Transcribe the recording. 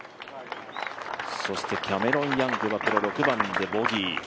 そしてキャメロン・ヤングはこの６番でボギー。